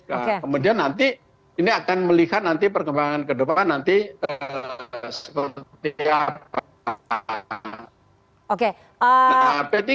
nah kemudian nanti ini akan melihat nanti perkembangan kedepan nanti seperti apa